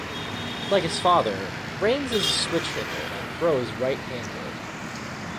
Like his father; Raines is a switch-hitter and throws right-handed.